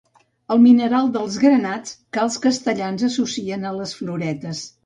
El mineral dels granats que els castellans associen a les floretes.